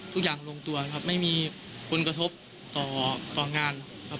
ทุกอย่างลงตัวนะครับไม่มีผลกระทบต่อต่องานครับ